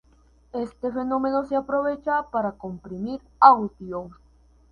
Este fenómeno se aprovecha para comprimir audio.